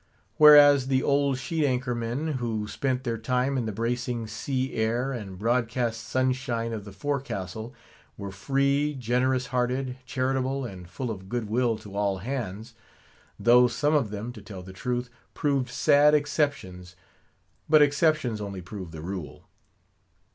Whereas, the old sheet anchor men, who spent their time in the bracing sea air and broad cast sunshine of the forecastle, were free, generous hearted, charitable, and full of good will to all hands; though some of them, to tell the truth, proved sad exceptions; but exceptions only prove the rule.